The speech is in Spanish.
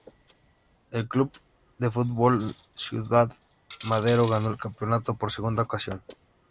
El Club de Fútbol Ciudad Madero ganó el campeonato por segunda ocasión.